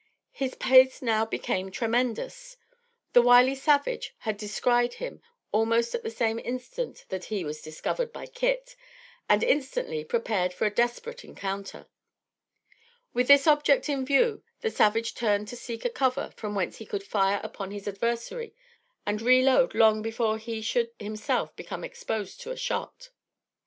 His pace now became tremendous. The wily savage had descried him almost at the same instant that he was discovered by Kit, and instantly prepared for a desperate encounter. With this object in view, the savage turned to seek a cover from whence he could fire upon his adversary and reload long before he should himself become exposed to a shot.